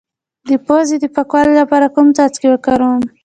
د پوزې د پاکوالي لپاره کوم څاڅکي وکاروم؟